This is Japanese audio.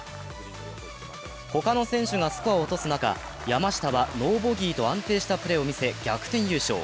他の選手がスコアを落とす中、山下はノーボギーと安定したプレーを見せ、逆転優勝。